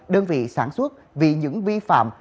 đơn vị sản xuất vì những vi phạm